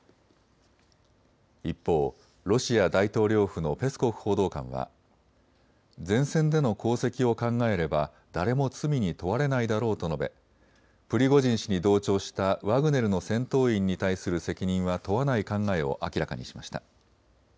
一方、ロシア大統領府のペスコフ報道官は前線での功績を考えれば誰も罪に問われないだろうと述べプリゴジン氏に同調したワグネルの戦闘員に対する責任は問わない考えを明らかにしました。